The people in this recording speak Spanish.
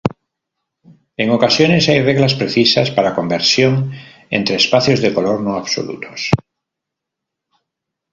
En ocasiones, hay reglas precisas para conversión entre espacios de color no absolutos.